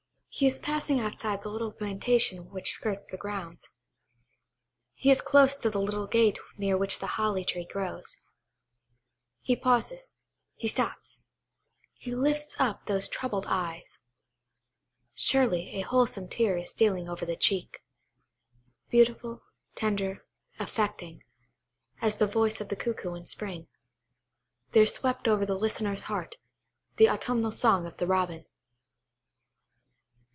He is passing outside the little plantation which skirts the grounds. He is close to the little gate near which the holly tree grows. He pauses,–he stops–he lifts up those troubled eyes. Surely, a wholesome tear is stealing over the cheek. Beautiful, tender, affecting, as the voice of the cuckoo in spring, there swept over the listener's heart, the autumnal song of the Robin.